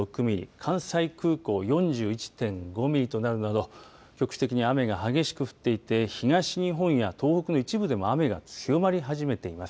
関西空港４１．５ミリとなるなど局地的に雨が激しく降っていて東日本や東北の一部でも雨が強まり始めています。